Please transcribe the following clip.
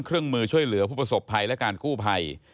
เครื่องมือช่วยเหลือผู้ประสบภัยและการกู้ภัย